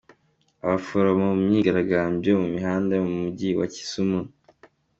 Abaforomo mu myigaragambyo mu mihanda yo mu mugi wa Kisumu.